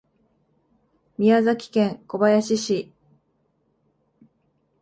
宮崎県小林市